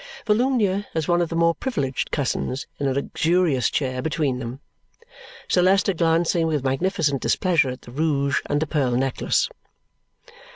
Volumnia, as one of the more privileged cousins, in a luxurious chair between them. Sir Leicester glancing, with magnificent displeasure, at the rouge and the pearl necklace.